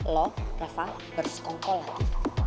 lo rafa bersekongkol lagi